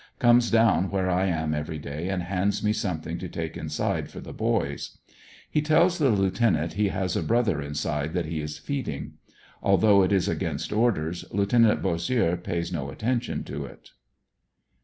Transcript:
Comes down where I am every day and hands me something to take inside for the boys. He tells the Lieut, he has a brother inside that he is feeding. Although it is against orders, Lieut. Bossieux pays no attention to it.